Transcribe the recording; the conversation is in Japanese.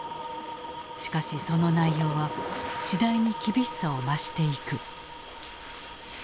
しかしその内容は次第に厳しさを増していく。